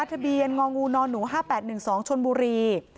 ทะเบียนงองูนอนหนูห้าแปดหนึ่งสองชนบุรี